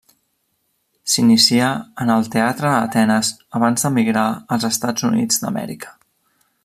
S'inicià en el teatre a Atenes abans d'emigrar als Estats Units d'Amèrica.